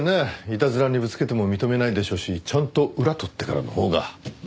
いたずらにぶつけても認めないでしょうしちゃんと裏取ってからのほうが。